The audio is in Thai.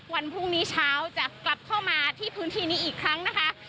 วันพรุ่งนี้เช้าจะกลับเข้ามาที่พื้นที่นี้อีกครั้งนะคะ